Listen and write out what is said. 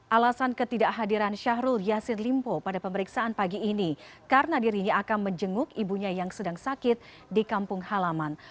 alasan ketidakhadiran syahrul yassin limpo pada pemeriksaan pagi ini karena dirinya akan menjenguk ibunya yang sedang sakit di kampung halaman